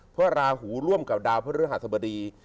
เพื่อราหูร่วมกับดาวพระเรื้อหาธรรมดี